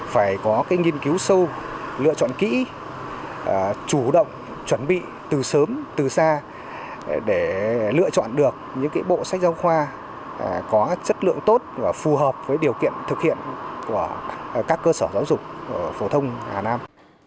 phải có nghiên cứu sâu lựa chọn kỹ chủ động chuẩn bị từ sớm từ xa để lựa chọn được những bộ sách giáo khoa có chất lượng tốt và phù hợp với điều kiện thực hiện của các cơ sở giáo dục phổ thông hà nam